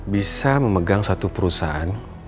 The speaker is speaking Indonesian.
bisa memegang satu perusahaan